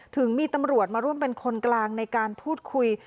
ถึงมีตำรวจมาร่วมเป็นคนกลางในการพูดคุย